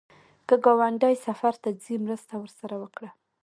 که ګاونډی سفر ته ځي، مرسته ورسره وکړه